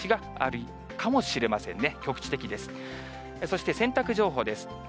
そして、洗濯情報です。